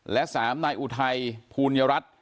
และ๓น้ายอุทัยภูญระฤทธิ์